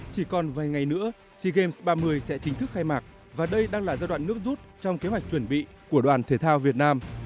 chỉ còn vài ngày nữa sea games ba mươi sẽ chính thức khai mạc và đây đang là giai đoạn nước rút trong kế hoạch chuẩn bị của đoàn thể thao việt nam